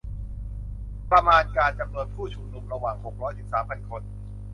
ประมาณการจำนวนผู้ชุมนุมระหว่างหกร้อยถึงสามพันคน